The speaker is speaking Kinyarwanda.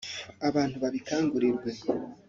abantu babikangurirwe